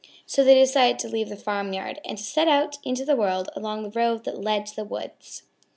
So they decided to leave the farmyard and to set out into the world along the road that led to the woods.